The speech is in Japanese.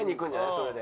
それで。